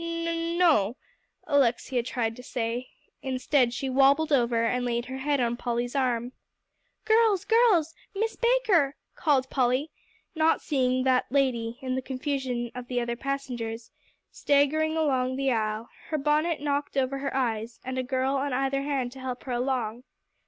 "N no," Alexia, tried to say. Instead, she wobbled over, and laid her head on Polly's arm. "Girls girls Miss Baker!" called Polly, not seeing that lady, in the confusion of the other passengers, staggering along the aisle, her bonnet knocked over her eyes, and a girl on either hand to help her along.